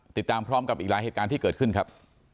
ติดตามพร้อมกับอีกหลายเหตุการณ์ที่เกิดขึ้นครับ